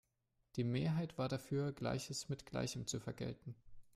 Die Mehrheit war dafür, Gleiches mit Gleichem zu vergelten.